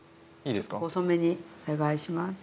細めにお願いします。